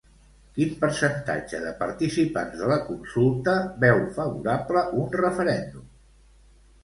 Quin percentatge de participants de la consulta veu favorable un referèndum?